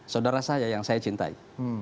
saudara saya yang saya cintai